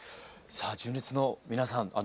さあ純烈の皆さん